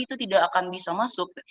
itu tidak akan bisa masuk